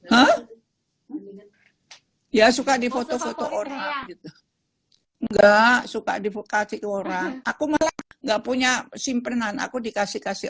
hai ya suka di foto foto orang enggak suka di sacred aku enggak punya simpenan aku dikasih kasih